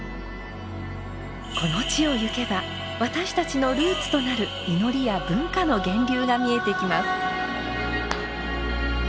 この地をゆけば私たちのルーツとなる祈りや文化の源流が見えてきます。